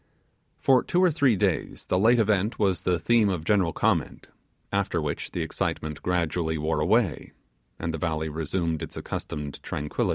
For two or three days the late event was the theme of general comment; after which the excitement gradually wore away, and the valley resumed its accustomed tranquili